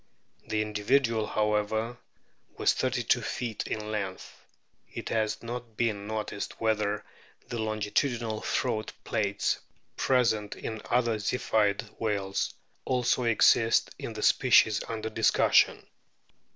That individual, however, was thirty two feet in lenoth. It has not been noticed whether the O longitudinal throat plaits present in other Ziphioid whales also exist in the species under discussion.